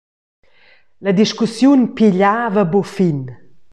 La discussiun pigliava buca fin.